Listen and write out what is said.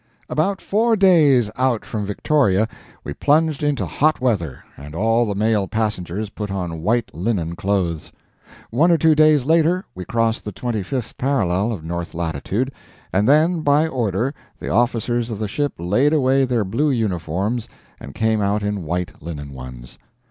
About four days out from Victoria we plunged into hot weather, and all the male passengers put on white linen clothes. One or two days later we crossed the 25th parallel of north latitude, and then, by order, the officers of the ship laid away their blue uniforms and came out in white linen ones.